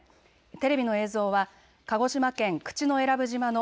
テレビの映像は鹿児島県口永良部島の